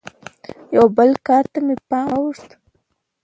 یوه بل کار ته مې پام واوښت.